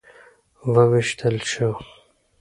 وویشتل شو.